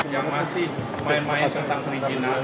yang masih main main tentang perizinan